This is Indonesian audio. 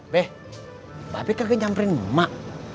be bapak kagak nyamperin emak